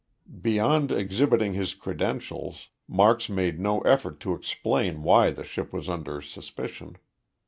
Beyond exhibiting his credentials, Marks made no effort to explain why the ship was under suspicion.